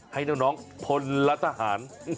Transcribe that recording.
ให้น้องพลทหาร